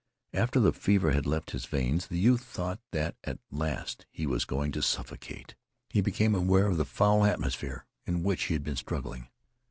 After the fever had left his veins, the youth thought that at last he was going to suffocate. He became aware of the foul atmosphere in which he had been struggling.